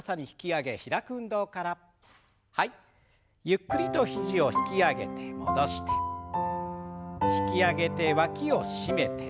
ゆっくりと肘を引き上げて戻して引き上げてわきを締めて。